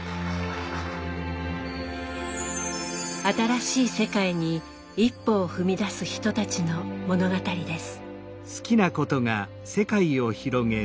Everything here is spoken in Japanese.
新しい世界に一歩を踏み出す人たちの物語です。